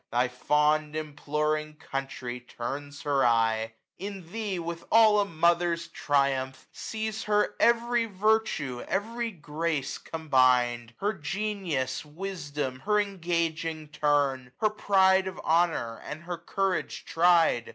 Thy fond imploring Country turns her eye; •. 930 In thee, with all a mother's triumph, sees Jier every virtue, every grace combined; Her genius, wisdom, her engaging turn ; Her pride of honour, and her courage try'd.